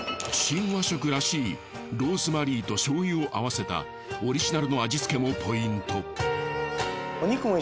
新和食らしいローズマリーと醤油を合わせたオリジナルの味付けもポイント。